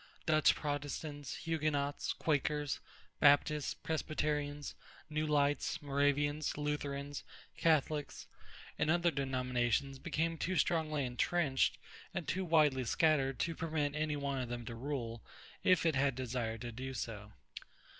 Dutch Protestants, Huguenots, Quakers, Baptists, Presbyterians, New Lights, Moravians, Lutherans, Catholics, and other denominations became too strongly intrenched and too widely scattered to permit any one of them to rule, if it had desired to do so.